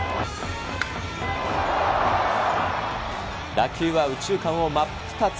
打球は右中間を真っ二つ。